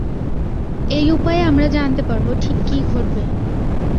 এই উপায়ে আমরা জানতে পারব ঠিক কী ঘটবে।